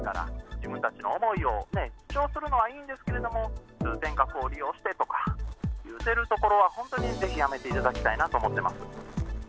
自分たちの思いを主張するのはいいんですけれども、通天閣を利用してとか、利用するところは本当にぜひやめていただきたいなと思ってます。